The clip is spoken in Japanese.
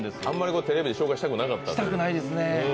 あんまりテレビで紹介したくないですね。